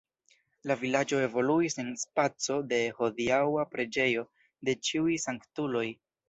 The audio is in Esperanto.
La vilaĝo evoluis en spaco de hodiaŭa preĝejo de Ĉiuj sanktuloj.